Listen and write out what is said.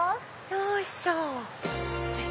よいしょ。